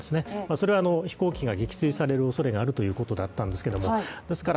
それは飛行機が撃墜されるおそれがあるということだったんですけれども。